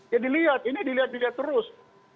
ya dilihat ini dilihat dilihat terus